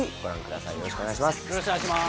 よろしくお願いします。